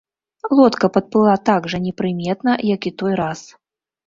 Лодка падплыла так жа непрыметна, як і той раз.